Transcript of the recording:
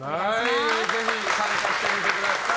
ぜひ参加してみてください。